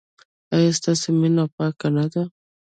ایا ستاسو مینه پاکه نه ده؟